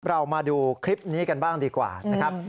มาดูคลิปนี้กันบ้างดีกว่านะครับ